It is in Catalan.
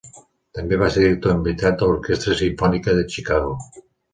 També va ser director invitat de l'Orquestra Simfònica de Chicago.